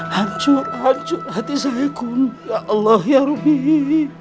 hancur hancur hati saya kum ya allah ya rabbi